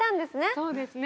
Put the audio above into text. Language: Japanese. そうですね。